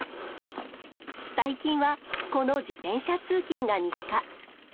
最近はこの自転車通勤が日課。